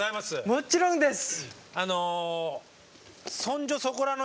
もちろんです。